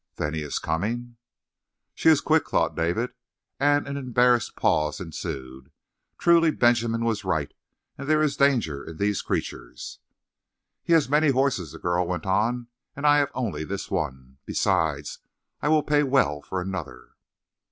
"Then he is coming?" "She is quick," thought David, as an embarrassed pause ensued. "Truly, Benjamin was right, and there is danger in these creatures." "He has many horses," the girl went on, "and I have only this one. Besides, I would pay well for another."